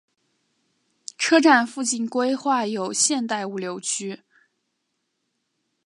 车站附近规划有现代物流区。